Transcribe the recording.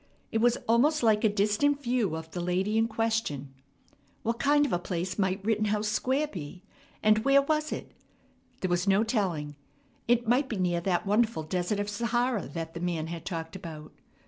It was almost like a distant view of the lady in question. What kind of a place might Rittenhouse Square be, and where was it? There was no telling. It might be near that wonderful Desert of Sahara that the man had talked about.